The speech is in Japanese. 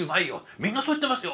みんなそう言ってますよ」。